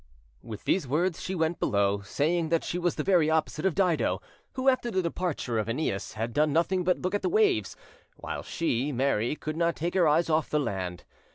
With these words, she went below, saying that she was the very opposite of Dido, who, after the departure of AEneas, had done nothing but look at the waves, while she, Mary, could not take her eyes off the land.